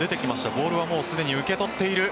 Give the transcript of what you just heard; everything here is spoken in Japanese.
ボールはすでに受け取っている。